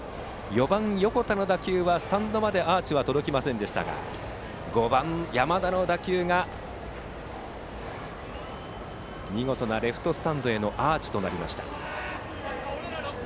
４番、横田の打球はスタンドまでアーチは届きませんでしたが５番、山田の打球が見事なレフトスタンドへのアーチとなりました。